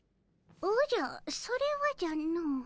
おじゃそれはじゃの。